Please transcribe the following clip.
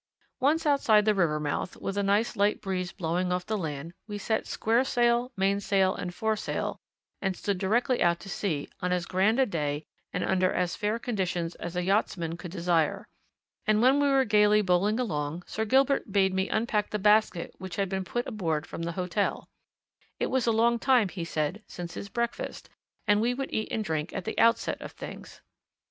Once outside the river mouth, with a nice light breeze blowing off the land, we set squaresail, mainsail, and foresail and stood directly out to sea on as grand a day and under as fair conditions as a yachtsman could desire; and when we were gaily bowling along Sir Gilbert bade me unpack the basket which had been put aboard from the hotel it was a long time, he said, since his breakfast, and we would eat and drink at the outset of things.